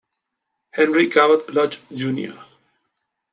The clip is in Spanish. Henry Cabot Lodge Jr.